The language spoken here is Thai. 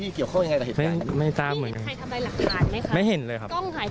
เตี๋ยวนิดหนึ่ง